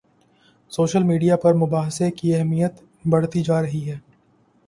Social media پر مباحثے کی اہمیت بڑھتی جا رہی ہے۔